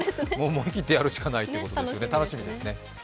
思い切ってやるしかないということですね、楽しみですね。